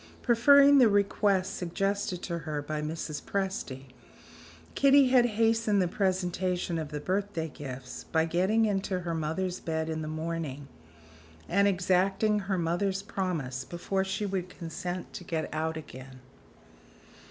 Preferring the request suggested to her by Mrs. Presty, Kitty had hastened the presentation of the birthday gifts, by getting into her mother's bed in the morning, and exacting her mother's promise before she would consent to get out again.